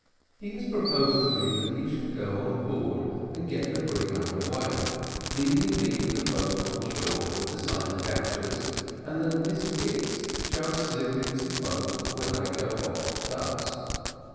He has proposed to me that he shall go on board, and get the brig under way, leaving me with a boat on shore to sign the vouchers, and that Miss Hicks shall slip into the boat when I go off at dusk.